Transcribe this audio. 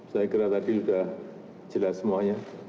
saya kira tadi sudah jelas semuanya